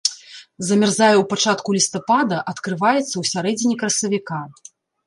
Замярзае ў пачатку лістапада, адкрываецца ў сярэдзіне красавіка.